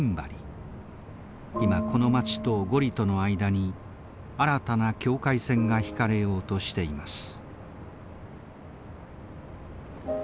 今この町とゴリとの間に新たな境界線が引かれようとしています。